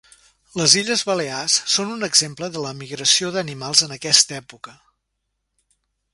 Les Illes Balears són un exemple de la migració d'animals en aquesta època.